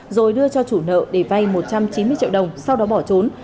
rồi đưa cho chủ nợ để vay một trăm chín mươi triệu đồng sau đó bỏ trốn